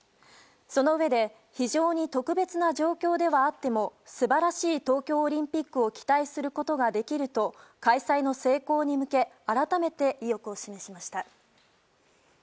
そのうえで、非常に特別な状況ではあっても素晴らしい東京オリンピックを期待することができると開催の成功に向け改めて意欲を示しました。